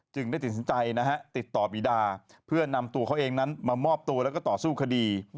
ได้ติดสินใจนะฮะติดต่อบีดาเพื่อนำตัวเขาเองนั้นมามอบตัวแล้วก็ต่อสู้คดี